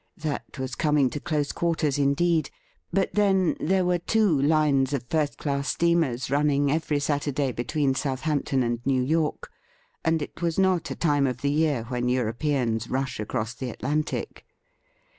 That was coming to close quarters indeed ; but, then, there were two lines of first class steamers running every Saturday between Southampton and New York, and it was not a time of the year when Europeans rush across the Atlantic.